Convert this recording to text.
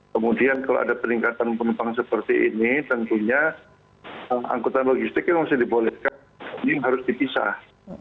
kemudian kalau ada peningkatan penumpang seperti ini tentunya angkutan logistik yang masih dibolehkan ini harus dipisah